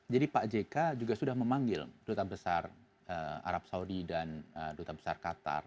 jadi pak jk juga sudah memanggil duta besar arab saudi dan duta besar qatar